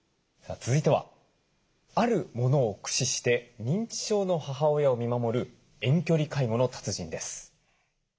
続いてはある物を駆使して認知症の母親を見守る遠距離介護の達人です。